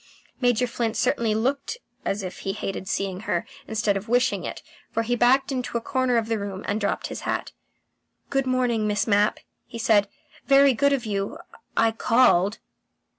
Major Flint certainly looked as if he hated seeing her, instead of wishing it, for he backed into a corner of the room and dropped his hat. "Good morning, Miss Mapp," he said. "Very good of you. I I called."